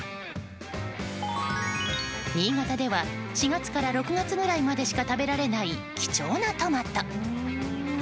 新潟では４月から６月ぐらいまでしか食べられない貴重なトマト。